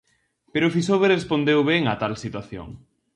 Pero o Fisober respondeu ben a tal situación.